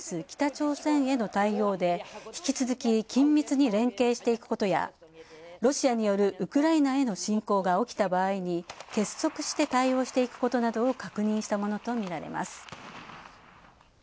北朝鮮への対応で引き続き緊密に連携していくことやロシアによるウクライナへの侵攻が起きた場合に結束して対応していくことなどを確認したものとみられます。